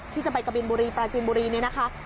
ที่จะไปกะบินบุรีปราจินบุรีเนี่ยนะคะ